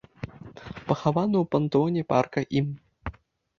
Пахавана ў пантэоне парка ім.